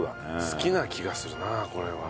好きな気がするなこれは。